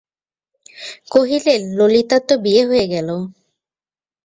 কহিলেন, ললিতার তো বিয়ে হয়ে গেল।